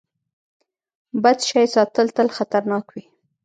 بد شی ساتل تل خطرناک وي.